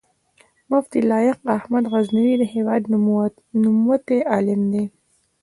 مفتي لائق احمد غزنوي د هېواد نوموتی عالم دی